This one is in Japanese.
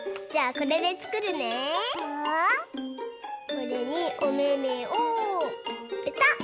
これにおめめをぺたっ。